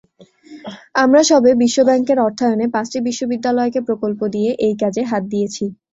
আমরা সবে বিশ্বব্যাংকের অর্থায়নে পাঁচটি বিশ্ববিদ্যালয়কে প্রকল্প দিয়ে এই কাজে হাত দিয়েছি।